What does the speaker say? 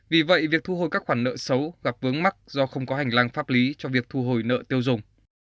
vì vậy việc thu hồi các khoản nợ xấu gặp vướng mắc do không có hành lang pháp lý cho việc thu hồi nợ tiêu dùng